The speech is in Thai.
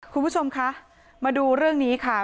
คุณผู้ชมคะมาดูเรื่องนี้ค่ะ